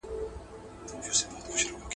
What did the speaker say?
• د بل کټ تر نيمي شپې دئ.